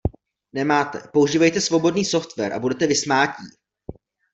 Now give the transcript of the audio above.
Nemáte, používejte svobodný software a budete vysmátí!